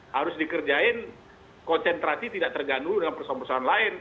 harus dikerjain konsentrasi tidak terganggu dengan persoalan persoalan lain